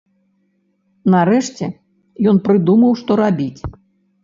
Нарэшце ён прыдумаў, што рабіць.